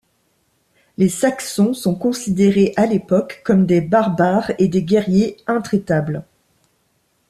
Les Saxons sont considérés à l'époque comme des barbares et des guerriers intraitables.